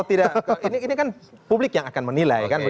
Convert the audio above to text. ini kan publik yang akan menilai